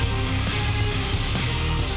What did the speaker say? mas ini dia mas